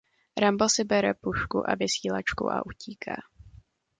Rambo si bere pušku a vysílačku a utíká.